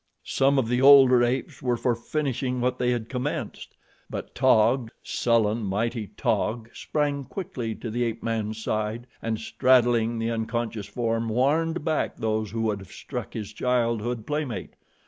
Some of the older apes were for finishing what they had commenced; but Taug, sullen, mighty Taug, sprang quickly to the ape man's side and straddling the unconscious form warned back those who would have struck his childhood playmate.